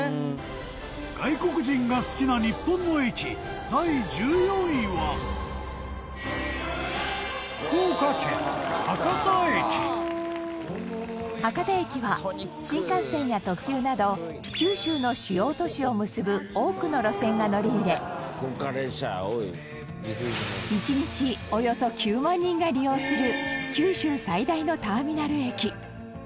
外国人が好きな日本の駅第１４位は博多駅は新幹線や特急など九州の主要都市を結ぶ多くの路線が乗り入れ１日およそ９万人が利用する九州最大のターミナル駅